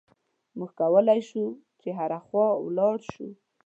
موږ کولای شو چې هره خوا ولاړ شو.